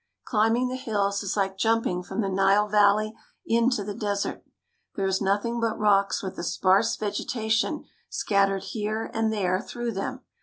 Climbing the hills is like jumping from the Nile Valley into the desert. There is nothing but rocks with a sparse vegetation scattered here and there through them.